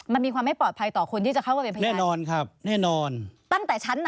มันมีความไม่ปลอดภัยต่อคนที่จะครอบแลกเป็นพยาน